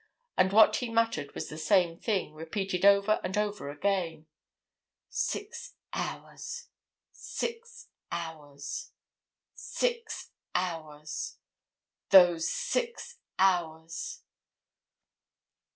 And what he muttered was the same thing, repeated over and over again: "Six hours—six hours—six hours! Those six hours!"